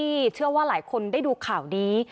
เชื่อว่าหลายคนได้ดูข่าวนี้